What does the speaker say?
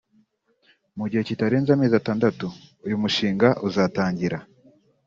mu gihe kitarenze amezi atandatu uyu mushinga uzatangira